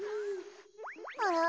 あら？